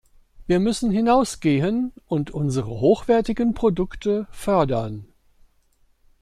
Wir müssen hinausgehen und unsere hochwertigen Produkte fördern.